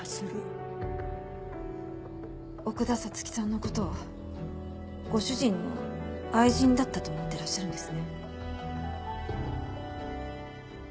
奥田彩月さんの事ご主人の愛人だったと思ってらっしゃるんですね？